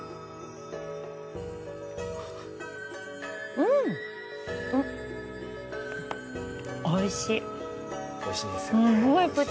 うんおいしい！